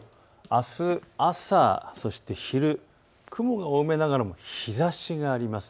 あす朝、そして昼、雲が多めながらも日ざしがあります。